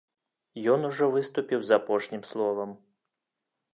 Ён ужо выступіў з апошнім словам.